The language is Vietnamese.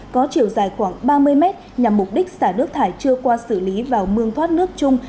có chiều dài khoảng ba mươi mét nhằm mục đích xả nước thải chưa qua xử lý vào mương thoát nước chung